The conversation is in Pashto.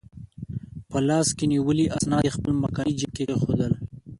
په لاس کې نیولي اسناد یې خپل مخکني جیب کې کېښوول.